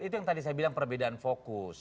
itu yang tadi saya bilang perbedaan fokus